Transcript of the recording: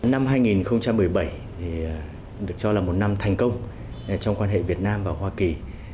năm hai nghìn một mươi bảy được cho là một năm thành công trong quan hệ việt nam và hoa kỳ